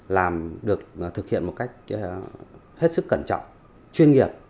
làm được thực hiện một cách hết sức cẩn trọng chuyên nghiệp